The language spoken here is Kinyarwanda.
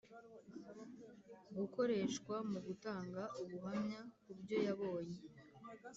gukoreshwa mu gutanga ubuhamya ku byo yabonye